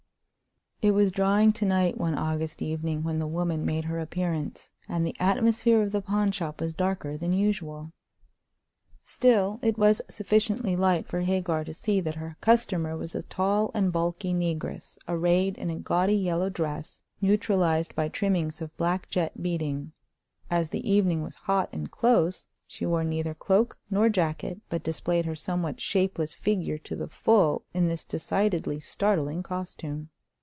It was drawing to night one August evening when the woman made her appearance, and the atmosphere of the pawnshop was darker than usual. Still, it was sufficiently light for Hagar to see that her customer was a tall and bulky negress, arrayed in a gaudy yellow dress, neutralized by trimmings of black jet beading. As the evening was hot and close, she wore neither cloak nor jacket, but displayed her somewhat shapeless figure to the full in this decidedly startling costume.